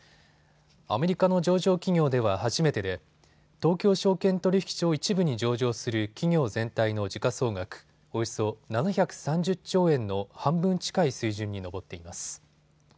アメリカの上場企業では初めてで東京証券取引所１部に上場する企業全体の時価総額、およそ７３０兆円の半分近い水準に上っています。